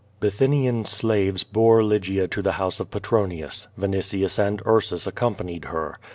Bith5'nian slaves bore Lygia to the house of Petronius. Vi nitius and Ursus accompanied her.